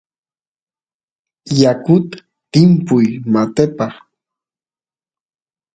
yakut timpuy matepaq